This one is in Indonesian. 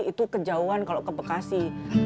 itu kejauhan kalau ke bekasi